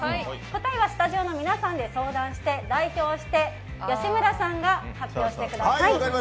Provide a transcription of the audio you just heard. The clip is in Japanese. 答えはスタジオの皆さんで相談して、代表して吉村さんが発表してください。